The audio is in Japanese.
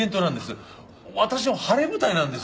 私の晴れ舞台なんです。